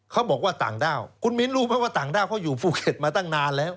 เขาบอกว่าต่างด้าวคุณมิ้นรู้ไหมว่าต่างด้าวเขาอยู่ภูเก็ตมาตั้งนานแล้ว